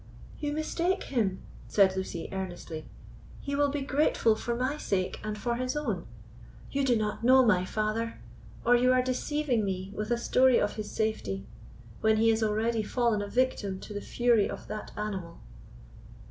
"You mistake him," said Lucy, earnestly; "he will be grateful for my sake and for his own. You do not know my father, or you are deceiving me with a story of his safety, when he has already fallen a victim to the fury of that animal."